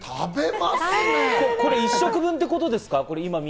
これ１食分ってことですか？